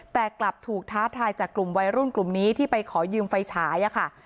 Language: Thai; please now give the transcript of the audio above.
แต่กลับถูกท้าทายจากกลุ่มวัยรุ่นกลุ่มนี้ที่ไปขอยืมไฟฉายค่ะ